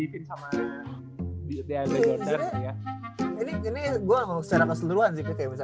ini gue mau secara keseluruhan sih